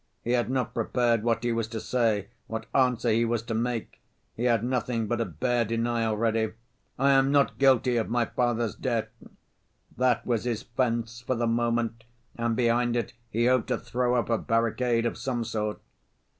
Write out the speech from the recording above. He had not prepared what he was to say, what answer he was to make, he had nothing but a bare denial ready. 'I am not guilty of my father's death.' That was his fence for the moment and behind it he hoped to throw up a barricade of some sort.